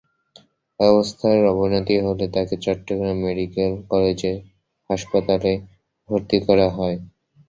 অবস্থার অবনতি হলে তাঁকে চট্টগ্রাম মেডিকেল কলেজ হাসপাতালে ভর্তি করা হয়।